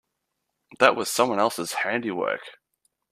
That was someone else's handy work.